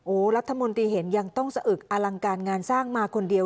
รัฐมนตรีเห็นยังต้องสะอึกอลังการงานสร้างมาคนเดียว